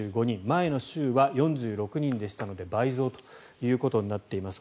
前の週は４６人でしたので倍増となっています。